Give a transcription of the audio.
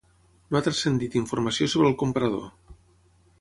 No ha transcendit informació sobre el comprador.